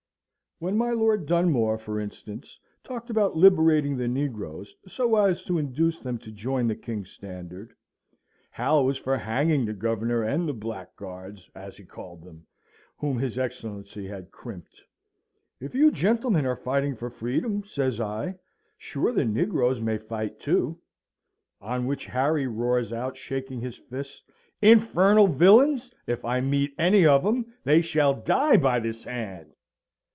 When my Lord Dunmore, for instance, talked about liberating the negroes, so as to induce them to join the King's standard, Hal was for hanging the Governor and the Black Guards (as he called them) whom his Excellency had crimped. "If you, gentlemen are fighting for freedom," says I, "sure the negroes may fight, too." On which Harry roars out, shaking his fist, "Infernal villains, if I meet any of 'em, they shall die by this hand!"